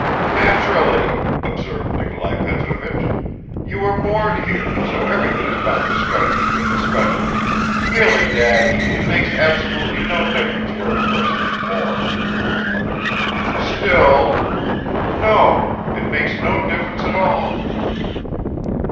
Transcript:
"Naturally," observed Nikolai Petrovich, "you were born here, so everything is bound to strike you with a special " "Really, Daddy, it makes absolutely no difference where a person is born." "Still " "No, it makes no difference at all."